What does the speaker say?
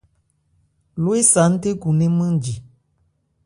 Lo ésa nthékhunmɛ́n nmánji.